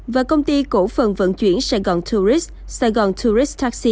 và công ty cổ phần vận chuyển sài gòn tourist